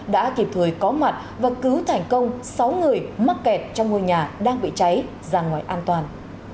đã kịp thời có mặt và cứu thành công sáu người mắc kẹt trong ngôi nhà đang bị cháy ra ngoài an toàn